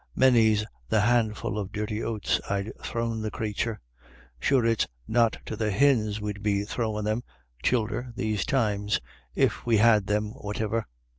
Many's the handful of dirty oats I've thrown the cratur. Sure it's not to the hins we'd be thro win' them, childer, these times, if we had them what lver.